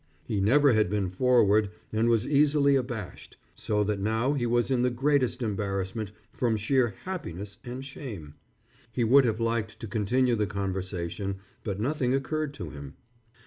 He never had been forward and was easily abashed, so that now he was in the greatest embarrassment from sheer happiness and shame. He would have liked to continue the conversation, but nothing occurred to him.